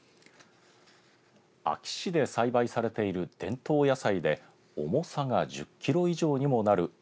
安芸市で栽培されている伝統野菜で重さが１０キロ以上にもなる。